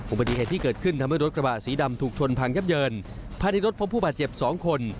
ปฏิเหตุที่เกิดขึ้นทำให้รถกระบะสีดำถูกชนพังยับเยินภายในรถพบผู้บาดเจ็บสองคน